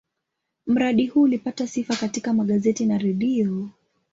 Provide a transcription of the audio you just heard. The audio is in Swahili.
Mradi huu ulipata sifa katika magazeti na redio.